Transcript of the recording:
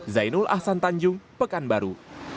zainul ahsan tanjung pekanbaru